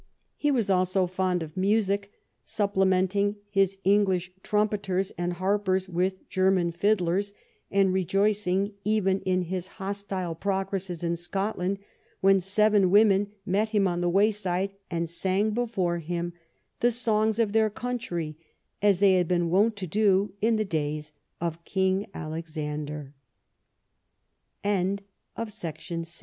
He was also fond of music, supplementing his English trumpeters and harpers with German fiddlers, and rejoicing, even in his hostile progresses in Scotland, when seven women met him on the wayside, and sang before him the songs of their country, as they had been wont to do in the d